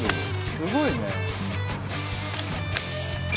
すごいね。